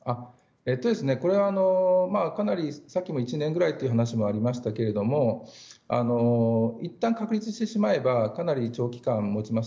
これは１年ぐらいという話がありましたがいったん確立してしまえばかなり長期間、持ちます。